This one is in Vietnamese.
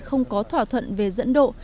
không có thỏa thuận về dẫn độ